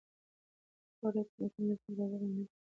دواړه حکومتونه د سوداګرو امنیت ساتي.